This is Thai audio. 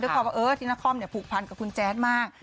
ด้วยความว่าเออที่นักคอมเนี่ยผูกพันกับคุณแจ๊กมาก